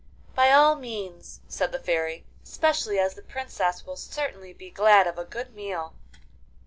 'By all means,' said the Fairy, 'especially as the Princess will certainly be glad of a good meal.